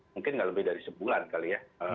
mungkin nggak lebih dari sebulan kali ya